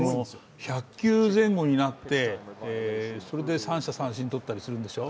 １００球前後になって３者三振とったりするんでしょう。